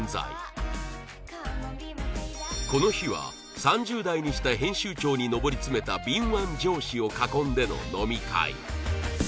この日は３０代にして編集長に上り詰めた敏腕上司を囲んでの飲み会